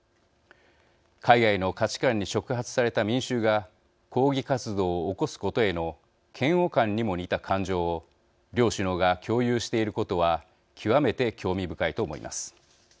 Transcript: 海外の価値観に触発された民衆が抗議活動を起こすことへの嫌悪感にも似た感情を両首脳が共有していることは極めて興味深いと思います。